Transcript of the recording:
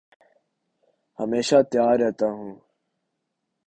ہمیشہ تیار رہتا ہوں